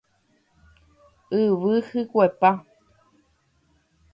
Yvy hykuepa